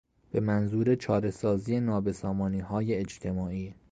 به منظور چارهسازی نابسامانیهای اجتماعی